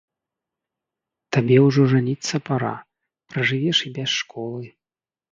Табе ўжо жаніцца пара, пражывеш і без школы!